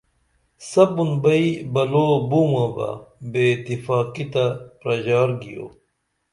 سپُن بئی بلو بومہ بہ بے اتفاقی تہ پرژار گیو